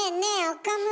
岡村。